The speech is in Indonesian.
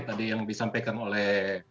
tadi yang disampaikan oleh